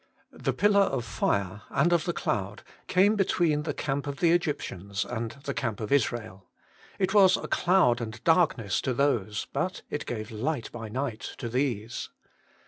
The pillar of fire and of the cloud came between the camp of the Egyptians and the camp of Israel : it was a cloud and darkness to those, but it gave light by night to these.